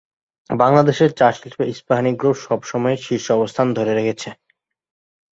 বাংলাদেশের চা শিল্পে ইস্পাহানি গ্রুপ সবসময়ই শীর্ষ অবস্থান ধরে রেখেছে।